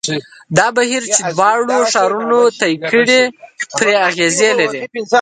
دا بهیر چې دواړو ښارونو طی کړې پرې اغېز لري.